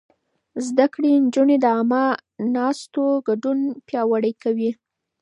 زده کړې نجونې د عامه ناستو ګډون پياوړی کوي.